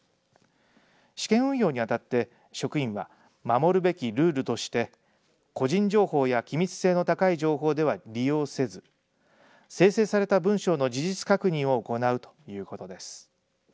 試験運用にあたって職員は守るべきルールとして個人情報や機密性の高い情報では利用せず生成された文章の事実確認を行うということです。